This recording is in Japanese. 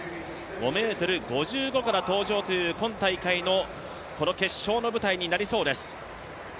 ５ｍ５５から登場という今大会の決勝の舞台になりそうです。